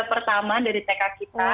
pertama dari tk kita